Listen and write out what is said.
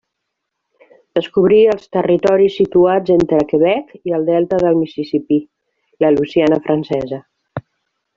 Descobrí els territoris situats entre Quebec i el delta del Mississipí, la Louisiana francesa.